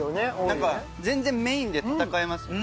なんか全然メインで戦えますね。